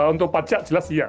untuk pacat jelas ya